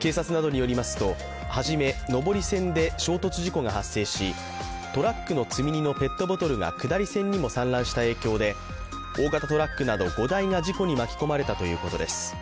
警察などによりますと初め、上り線で衝突事故が発生しトラックの積み荷のペットボトルが下り線にも散乱した影響で大型トラックなど５台が事故に巻き込まれたということです。